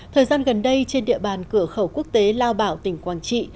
thời gian gần đây trên địa bàn cửa khẩu quốc tế lao bảo tỉnh quảng trị